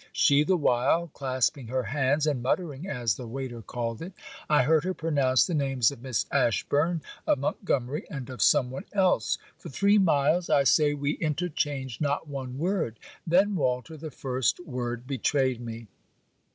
She, the while, clasping her hands and muttering, as the waiter called it. I heard her pronounce the names of Miss Ashburn, of Montgomery, and of some one else. For three miles, I say, we interchanged not one word: then, Walter, the first word betrayed me.